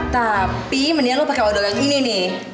tapi mendingan lo pake odol yang gini nih